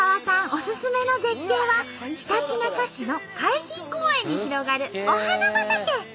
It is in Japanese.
オススメの絶景はひたちなか市の海浜公園に広がるお花畑。